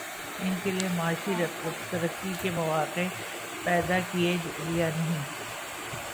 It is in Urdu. ان کے لیے معاشی ترقی کے مواقع پیدا کیے یا نہیں؟